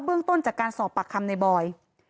เรื่องต้นจากการสอบปากคำในบอย